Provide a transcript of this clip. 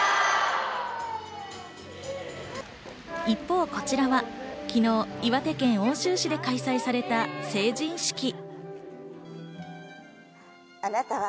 一方、こちらは昨日、岩手県奥州市で開催された成人式。